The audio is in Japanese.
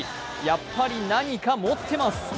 やっぱり何か持ってます。